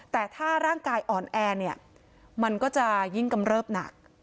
แต่ถ้าร่างกายอ่อนแอเนี่ยมันก็จะยิ่งกำเริบหนัก